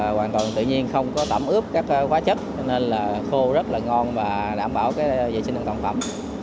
hoàn toàn tự nhiên không có tẩm ướp các hóa chất nên là khô rất là ngon và đảm bảo cái dễ sinh lượng toàn phẩm